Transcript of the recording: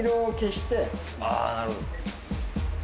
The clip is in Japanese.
あぁなるほど。